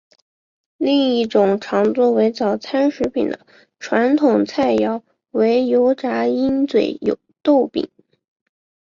另一种常作为早餐食品的传统菜肴为油炸鹰嘴豆饼。